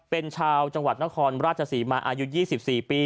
เป็นชาวจังหวัดนครราชศรีมาอายุ๒๔ปี